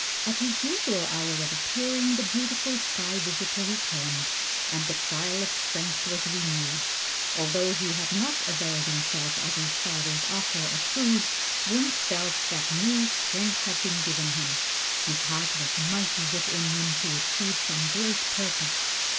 At his usual hour of appearing, the beautiful sky visitor returned, and the trial of strength was renewed. Although he had not availed himself of his father's offer of food, Wunzh felt that new strength had been given him. His heart was mighty within him to achieve some great purpose.